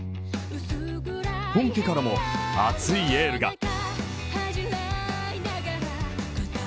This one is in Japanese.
本家からも、熱いエールが。